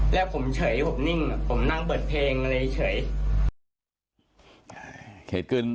แล้วผมเฉยผมนิ่งผมนั่งเปิดเพลงอะไรเฉย